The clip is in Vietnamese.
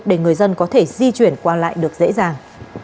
để người dân có thể di chuyển qua lại được dễ dàng